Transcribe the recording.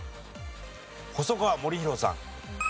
細川護熙さん。